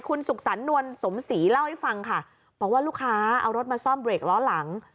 คุณสุขสรรคนวลสมศรีเล่าให้ฟังค่ะบอกว่าลูกค้าเอารถมาซ่อมเรกล้อหลัง